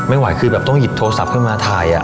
ไม่ว่าคือแบบต้องหยิบโทรศัพท์มาถ่าย